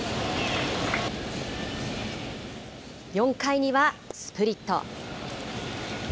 ４回にはスプリット。